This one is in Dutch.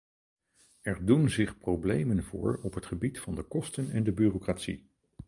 Er doen zich problemen voor op het gebied van de kosten en de bureaucratie.